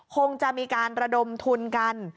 คงจะมีการระดมทุนกัน